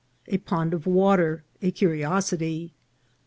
— A Pond of Water, a Curiosity.